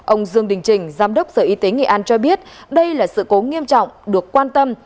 ông dương đình trình giám đốc sở y tế nghệ an cho biết đây là sự cố nghiêm trọng được quan tâm